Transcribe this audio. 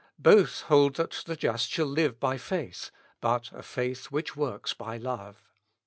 Both hold that the just live by faith, but a faith which works by love.